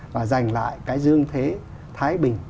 và dành lại cái dương thế thái bình